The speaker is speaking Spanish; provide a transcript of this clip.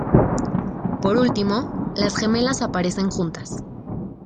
Por último, las gemelas aparecen juntas.